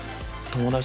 友達？